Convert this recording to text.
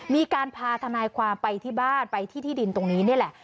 มีการพาทนายความไปที่บ้านไปที่ที่ดินตรงนี้นี่แหละ